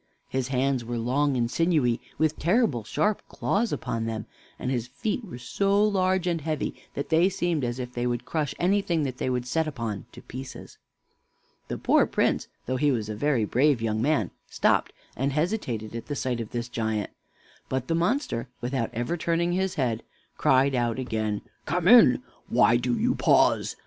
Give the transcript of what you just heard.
His hands were long and sinewy, with terrible sharp claws upon them; and his feet were so large and heavy that they seemed as if they would crush anything they would set upon to pieces. The poor Prince, though he was a very brave young man, stopped and hesitated at the sight of this giant; but the monster, without ever turning his head, cried out again: "Come in! Why do you pause?